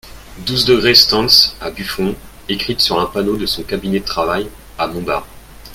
douzeº Stances à Buffon, écrites sur un panneau de son cabinet de travail, à Montbard.